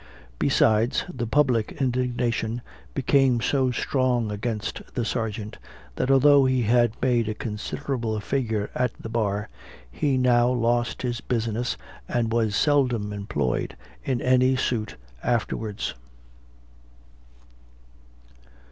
Besides, the public indignation became so strong against the sergeant, that although he had made a considerable figure at the bar, he now lost his business, and was seldom employed in any suit afterwards.